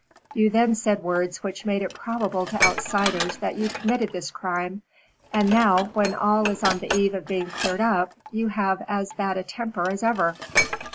You then said words which made it probable to outsiders that you committed this crime. And now, when all is on the eve of being cleared up, you have as bad a temper as ever."